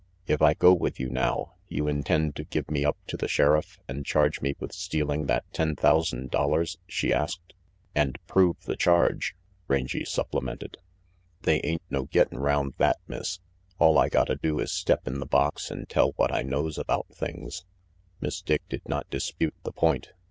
"If I go with you now, you intend to give me up to the sheriff and charge me with stealing that ten thousand dollars?" she asked. "And prove the charge," Rangy supplemented. "They ain't no gettin' round that, Miss. All I gotta do is step in the box an' tell what I knows about things." Miss Dick did not dispute the point.